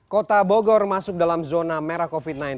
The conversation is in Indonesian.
kota bogor masuk dalam zona merah covid sembilan belas